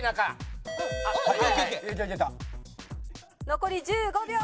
残り１５秒。